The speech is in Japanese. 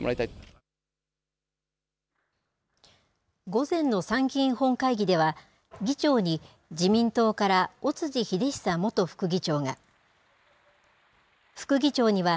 午前の参議院本会議では、議長に自民党から尾辻秀久元副議長が、副議長には、